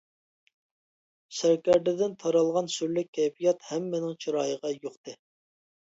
سەركەردىدىن تارالغان سۈرلۈك كەيپىيات ھەممىنىڭ چىرايىغا يۇقتى.